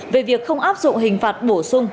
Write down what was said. về việc không áp dụng hình phạt bổ sung